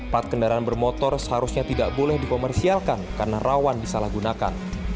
plat kendaraan bermotor seharusnya tidak boleh dikomersialkan karena rawan disalahgunakan